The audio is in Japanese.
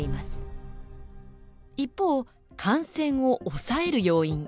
一方感染を抑える要因。